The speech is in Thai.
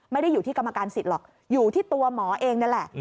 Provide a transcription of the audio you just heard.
ไม่ได้อยู่ที่กรรมการสิทธิ์หรอกอยู่ที่ตัวหมอเองนั่นแหละ